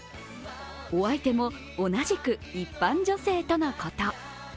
お相手も同じく一般女性とのこと。